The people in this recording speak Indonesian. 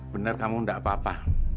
bener kamu enggak apa apa